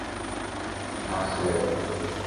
Hi'ã chéve.